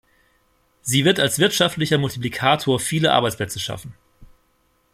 Sie wird als wirtschaftlicher Multiplikator viele Arbeitsplätze schaffen.